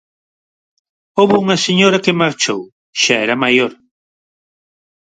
Houbo unha señora que marchou, xa era maior...